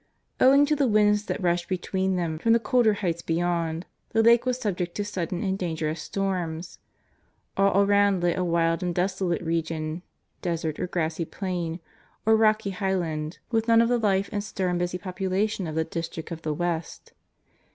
Owing to the winds that rush between them from the colder heights beyond, the Lake was subject to sudden and dangerous storms. All around lay a wild and desolate region, desert or grassy plain, or rocky highland, with none of the life and stir and busy population of the district to the west.